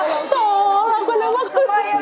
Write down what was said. โถ่เราก็ไม่รู้ว่าคนนี้ตรงไหน